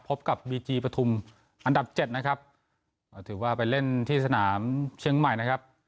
พบกับบีจีปฐุมอันดับเจ็ดนะครับก็ถือว่าไปเล่นที่สนามเชียงใหม่นะครับ